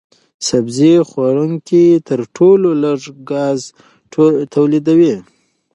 سبزي خوړونکي تر ټولو لږ ګاز تولیدوي.